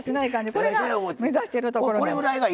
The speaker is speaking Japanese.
これが目指してるところなんで。